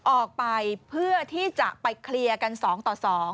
ออกไปเพื่อที่จะไปเคลียร์กัน๒ต่อ๒